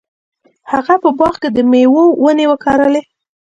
هغه په باغ کې د میوو ونې وکرلې.